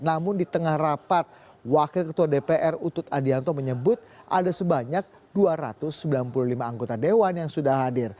namun di tengah rapat wakil ketua dpr utut adianto menyebut ada sebanyak dua ratus sembilan puluh lima anggota dewan yang sudah hadir